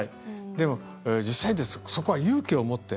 でも、実際そこは勇気を持って。